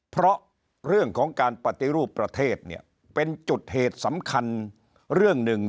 เพราะเรื่องของการปฏิรูปประเทศเนี่ยเป็นจุดเหตุสำคัญเรื่องหนึ่ง